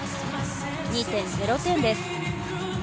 ２．０点です。